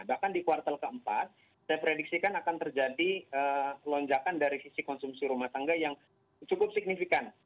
bahkan di kuartal keempat saya prediksikan akan terjadi lonjakan dari sisi konsumsi rumah tangga yang cukup signifikan